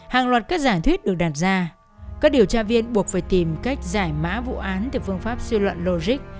hàng loạt các giả thuyết được đặt ra các điều tra viên buộc phải tìm cách giải mã vụ án từ phương pháp suy luận logic